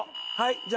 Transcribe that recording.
じゃあ。